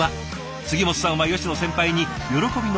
杉本さんは吉野先輩に喜びの報告。